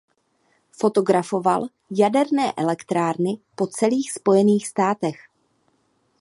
Fotografoval jaderné elektrárny po celých Spojených státech.